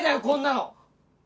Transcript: こんなの！